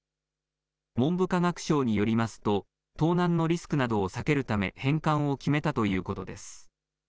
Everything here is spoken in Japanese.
文部科学省によりますと、盗難のリスクなどを避けるため、返還を決めたということです。